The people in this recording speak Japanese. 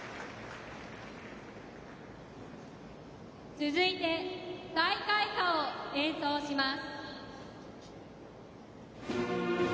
続いて、大会歌を演奏します。